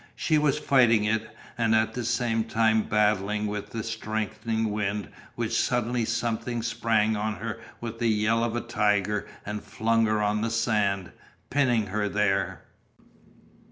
She was fighting it and at the same time battling with the strengthening wind when suddenly something sprang on her with the yell of a tiger and flung her on the sand, pinning her there.